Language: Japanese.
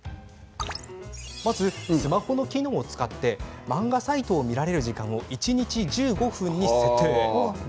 まずスマホの機能を使い漫画サイトを見られる時間を一日１５分に設定。